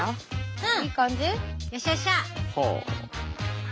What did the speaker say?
うん！